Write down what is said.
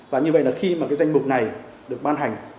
và như vậy là khi mà cái danh mục này được ban hành